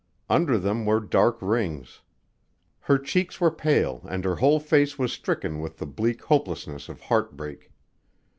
Under them were dark rings. Her cheeks were pale and her whole face was stricken with the bleak hopelessness of heartbreak.